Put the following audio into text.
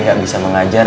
gak bisa mengajar